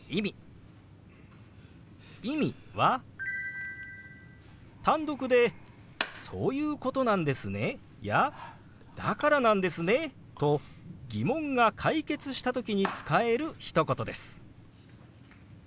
「意味」は単独で「そういうことなんですね」や「だからなんですね」と疑問が解決した時に使えるひと言です。